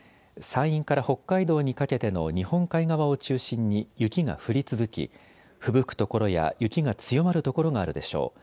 山陰から北海道にかけての日本海側を中心に雪が降り続き、ふぶく所や雪が強まる所があるでしょう。